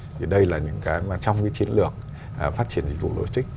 thì đây là những cái mà trong cái chiến lược phát triển dịch vụ logistics